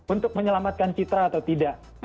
untuk menyelamatkan citra atau tidak